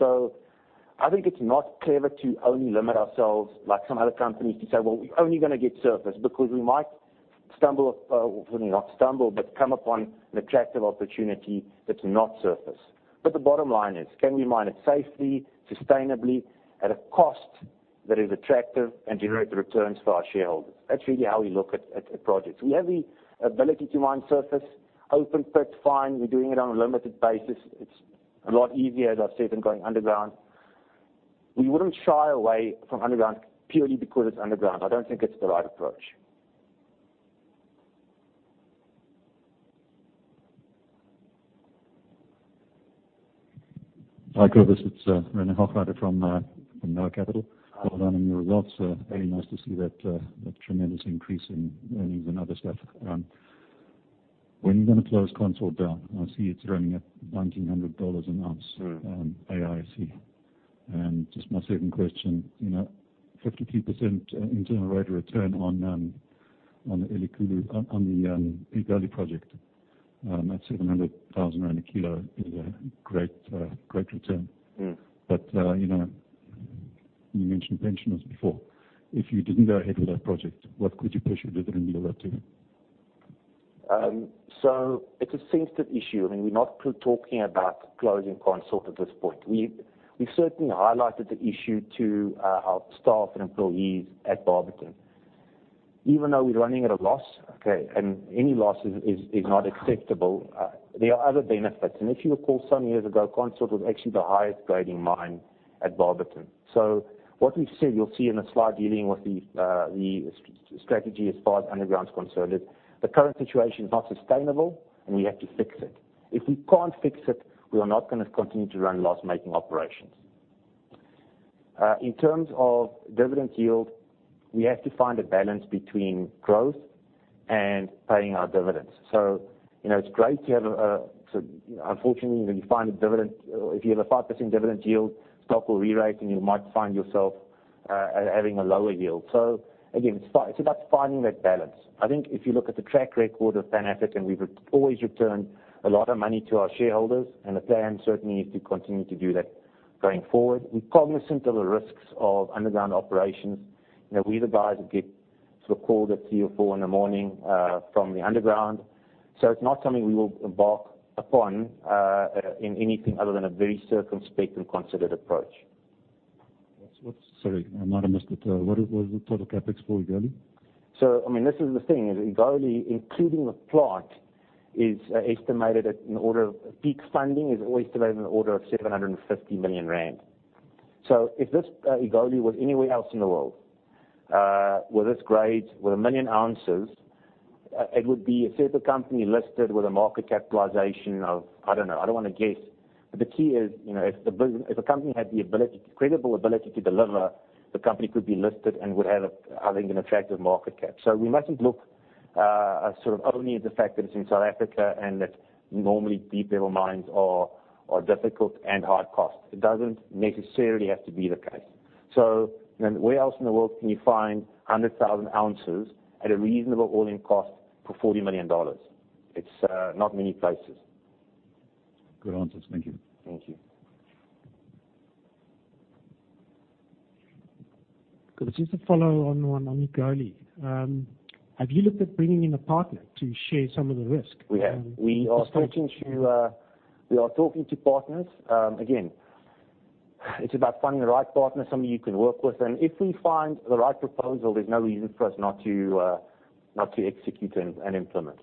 I think it's not clever to only limit ourselves like some other companies to say, "Well, we're only gonna get surface," because we might stumble, or not stumble, but come upon an attractive opportunity that's not surface. The bottom line is, can we mine it safely, sustainably, at a cost that is attractive and generate the returns for our shareholders? That's really how we look at projects. We have the ability to mine surface. Open pit, fine. We're doing it on a limited basis. It's a lot easier, as I've said, than going underground. We wouldn't shy away from underground purely because it's underground. I don't think it's the right approach. Hi, Cobus. It's Rene Hochreiter from Merian Capital. Well done on your results. Very nice to see that tremendous increase in earnings and other stuff. When are you going to close Consort down? I see it's running at $1,900 an ounce, AISC. Just my second question, 53% internal rate of return on the Egoli Project. That 700,000 rand a kilo is a great return. You mentioned pensioners before. If you didn't go ahead with that project, what could you possibly do with that money? It's a sensitive issue. We're not talking about closing Consort at this point. We've certainly highlighted the issue to our staff and employees at Barberton. Even though we're running at a loss, okay, and any loss is not acceptable, there are other benefits. If you recall, some years ago, Consort was actually the highest-grading mine at Barberton. What we've said, you'll see in the slide dealing with the strategy as far as underground's concerned, is the current situation is not sustainable and we have to fix it. If we can't fix it, we are not going to continue to run loss-making operations. In terms of dividend yield, we have to find a balance between growth and paying our dividends. It's great to have unfortunately, when you find a dividend, if you have a 5% dividend yield, stock will re-rate, and you might find yourself having a lower yield. Again, it's about finding that balance. I think if you look at the track record of Pan African, we've always returned a lot of money to our shareholders, and the plan certainly is to continue to do that going forward. We're cognizant of the risks of underground operations. We're the guys who get sort of called at 3:00 or 4:00 in the morning from the underground. It's not something we will embark upon in anything other than a very circumspect and considered approach. Sorry, I might have missed it. What is the total CapEx for Egoli? This is the thing, is Egoli, including the plant, peak funding is always estimated in the order of 750 million rand. If this Egoli was anywhere else in the world, with this grade, with 1 million ounces, it would be a separate company listed with a market capitalization of, I don't know, I don't want to guess. The key is, if a company had the credible ability to deliver, the company could be listed and would have, I think, an attractive market cap. We mustn't look sort of only at the fact that it's in South Africa and that normally deep-level mines are difficult and high cost. It doesn't necessarily have to be the case. Where else in the world can you find 100,000 ounces at a reasonable all-in cost for ZAR 40 million? It's not many places. Good answers. Thank you. Thank you. Cobus, just to follow on one on Egoli. Have you looked at bringing in a partner to share some of the risk? We have. We are talking to partners. Again, it's about finding the right partner, somebody you can work with. If we find the right proposal, there's no reason for us not to execute and implement.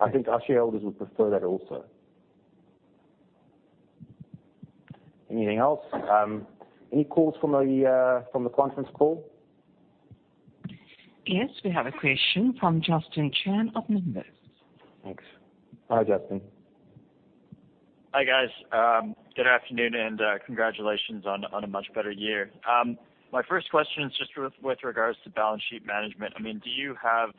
I think our shareholders would prefer that also. Anything else? Any calls from the conference call? Yes, we have a question from Justin Chan of Numis. Thanks. Hi, Justin. Hi, guys. Good afternoon, and congratulations on a much better year. My first question is just with regards to balance sheet management. Do you have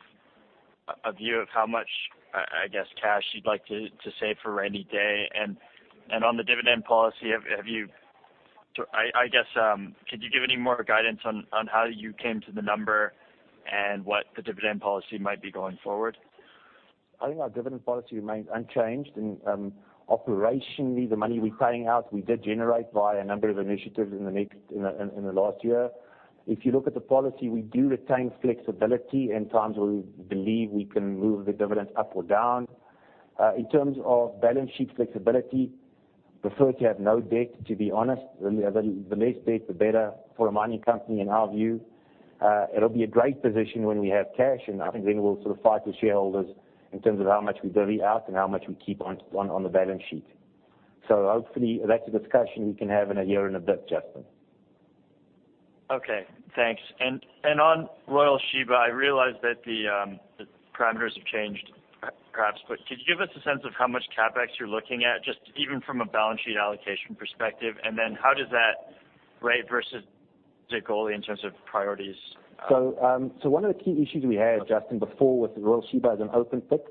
a view of how much, I guess, cash you'd like to save for a rainy day? On the dividend policy, I guess, could you give any more guidance on how you came to the number and what the dividend policy might be going forward? I think our dividend policy remains unchanged and operationally, the money we're paying out, we did generate via a number of initiatives in the last year. If you look at the policy, we do retain flexibility in times where we believe we can move the dividend up or down. In terms of balance sheet flexibility, prefer to have no debt to be honest. The less debt, the better for a mining company in our view. It'll be a great position when we have cash, and I think then we'll sort of talk to shareholders in terms of how much we pay out and how much we keep on the balance sheet. Hopefully, that's a discussion we can have in a year and a bit, Justin. Okay, thanks. On Royal Sheba, I realize that the parameters have changed, perhaps, but could you give us a sense of how much CapEx you're looking at, just even from a balance sheet allocation perspective? How does that rate versus Egoli in terms of priorities? One of the key issues we had, Justin, before with Royal Sheba as an open pit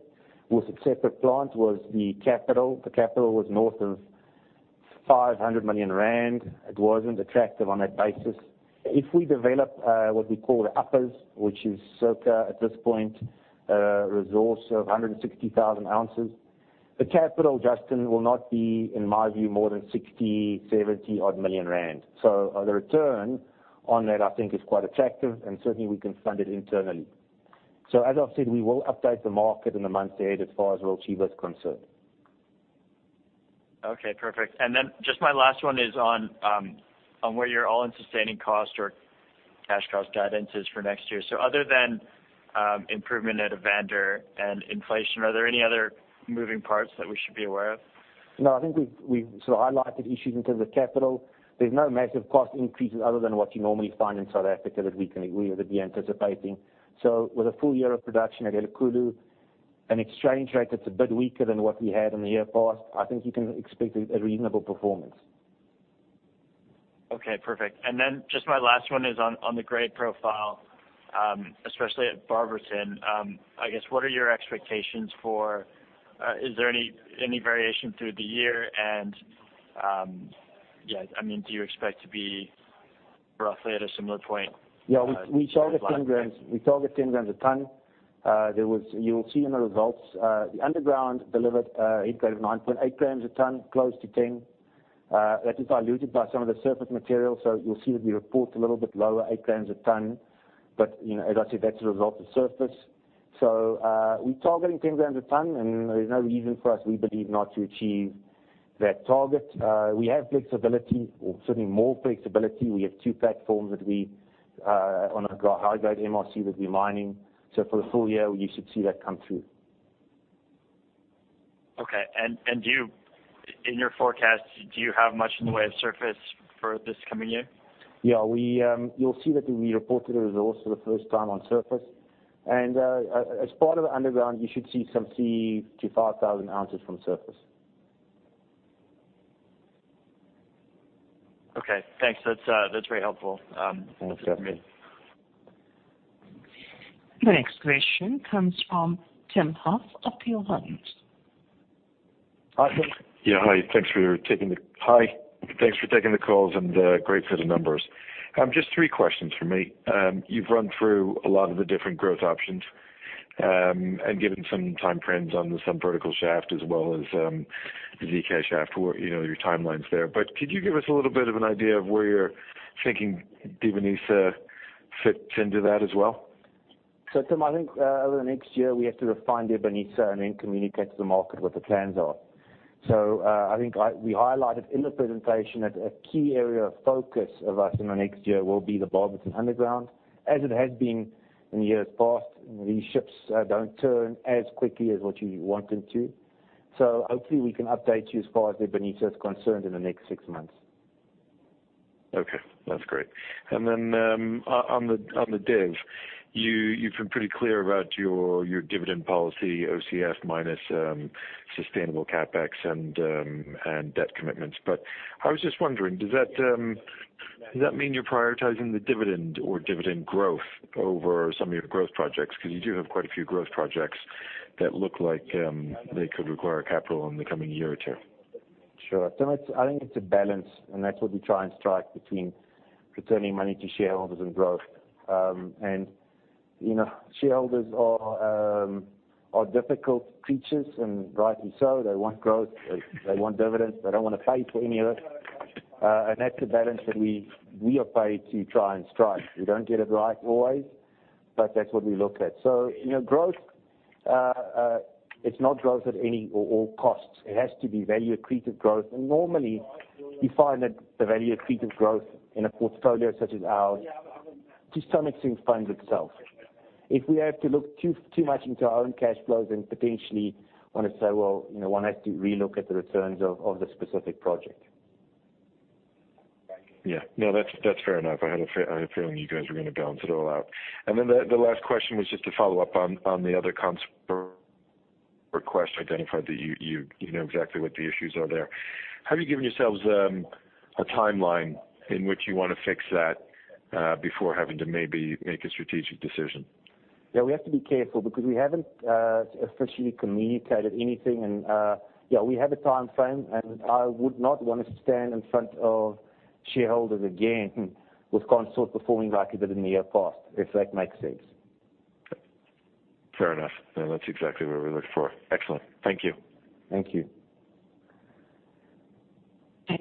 with successive plant was the capital. The capital was north of 500 million rand. It wasn't attractive on that basis. If we develop what we call the uppers, which is circa, at this point, a resource of 160,000 ounces, the capital, Justin, will not be, in my view, more than 60 million-70 million rand. The return on that, I think, is quite attractive and certainly we can fund it internally. As I've said, we will update the market in the months ahead as far as Royal Sheba is concerned. Okay, perfect. Just my last one is on where your all in sustaining cost or cash cost guidance is for next year? Other than improvement at Evander and inflation, are there any other moving parts that we should be aware of? No, I think we've highlighted issues in terms of capital. There's no massive cost increases other than what you normally find in South Africa that we would be anticipating. With a full year of production at Elikhulu, an exchange rate that's a bit weaker than what we had in the year past, I think you can expect a reasonable performance. Okay, perfect. Then just my last one is on the grade profile, especially at Barberton, I guess what are your expectations? Is there any variation through the year? Do you expect to be roughly at a similar point? Yeah, we target 10 grams a tonne. You'll see in the results, the underground delivered a head grade of 9.8 grams a tonne, close to 10. That is diluted by some of the surface material. You'll see that we report a little bit lower, eight grams a tonne, but as I said, that's a result of surface. We're targeting 10 grams a tonne and there's no reason for us, we believe, not to achieve that target. We have flexibility or certainly more flexibility. We have two platforms on a high-grade MRC that we're mining. For the full year, you should see that come through. Okay. In your forecast, do you have much in the way of surface for this coming year? Yeah. You'll see that we reported a resource for the first time on surface. As part of underground, you should see some 3,000 to 5,000 ounces from surface. Okay, thanks. That's very helpful. Thanks, Justin. The next question comes from Tim Hoff of Hill Hunt. Hi, Tim. Yeah, hi. Thanks for taking the call and great for the numbers. Just three questions from me. You've run through a lot of the different growth options, and given some time frames on the Subvertical shaft as well as the ZK shaft, your timelines there. Could you give us a little bit of an idea of where you're thinking Dibanisa fits into that as well? Tim, I think over the next year, we have to refine Dibanisa and then communicate to the market what the plans are. I think we highlighted in the presentation that a key area of focus of us in the next year will be the Barberton underground, as it has been in the years past. These ships don't turn as quickly as what you want them to. Hopefully, we can update you as far as Dibanisa is concerned in the next six months. Okay, that's great. On the div, you've been pretty clear about your dividend policy, OCF minus sustainable CapEx and debt commitments. I was just wondering, does that mean you're prioritizing the dividend or dividend growth over some of your growth projects? You do have quite a few growth projects that look like they could require capital in the coming year or two. Sure. Tim, I think it's a balance. That's what we try and strike between returning money to shareholders and growth. Shareholders are difficult creatures, and rightly so. They want growth, they want dividends. They don't want to pay for any of it. That's a balance that we are paid to try and strike. We don't get it right always, but that's what we look at. Growth, it's not growth at any or all costs. It has to be value accretive growth. Normally, we find that the value accretive growth in a portfolio such as ours, to some extent, funds itself. If we have to look too much into our own cash flows, then potentially one has to say, well, one has to relook at the returns of the specific project. Yeah. No, that's fair enough. I had a feeling you guys were going to balance it all out. Then the last question was just a follow-up on the other Consort, identified that you know exactly what the issues are there. Have you given yourselves a timeline in which you want to fix that before having to maybe make a strategic decision? Yeah, we have to be careful because we haven't officially communicated anything. Yeah, we have a timeframe, and I would not want to stand in front of shareholders again with Consort performing like it did in the year past, if that makes sense. Fair enough. That's exactly what we're looking for. Excellent. Thank you. Thank you.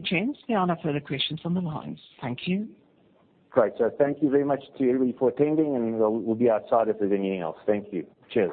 James, there are no further questions on the line. Thank you. Great. Thank you very much to everybody for attending, we will be outside if there is anything else. Thank you. Cheers.